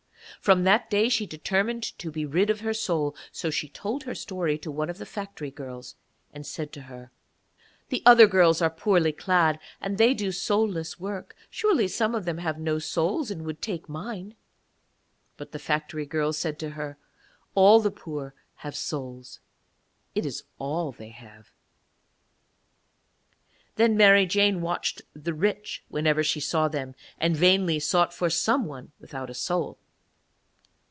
From that day she determined to be rid of her soul, so she told her story to one of the factory girls, and said to her: 'The other girls are poorly clad and they do soulless work; surely some of them have no souls and would take mine.' But the factory girl said to her: 'All the poor have souls. It is all they have.' Then Mary Jane watched the rich whenever she saw them, and vainly sought for some one without a soul.